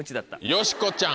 よしこちゃん。